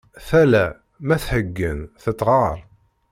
Tala ma tḥeggen tettɣar!